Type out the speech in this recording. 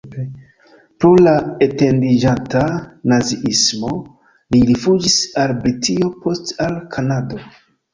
Pro la etendiĝanta naziismo li rifuĝis al Britio, poste al Kanado.